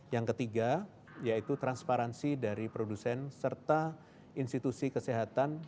yang ketiga yaitu transparansi dari produsen serta institusi kesehatan